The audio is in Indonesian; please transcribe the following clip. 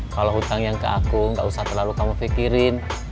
kalau hutang yang ke aku nggak usah terlalu kamu pikirin